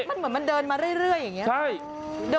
เหมือนมันเดินมาเรื่อยอย่างนี้ครับ